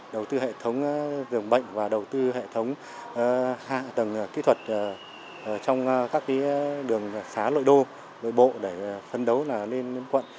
đầu tư hệ thống rừng bệnh và đầu tư hệ thống hạ tầng kỹ thuật trong các đường xá lội đô lội bộ để phân đấu lên quận